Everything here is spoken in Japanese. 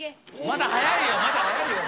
まだ早いよ！